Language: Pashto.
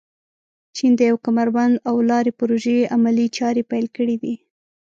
چین د یو کمربند او لارې پروژې عملي چارې پيل کړي دي.